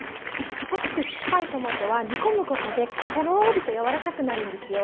かたくて酸っぱいトマトは煮込むことでとろりとやわらかくなるんですよ。